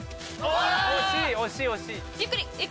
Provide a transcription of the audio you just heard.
惜しい惜しい惜しい。ゆっくり！